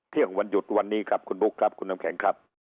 วันหยุดวันนี้ครับคุณบุ๊คครับคุณน้ำแข็งครับ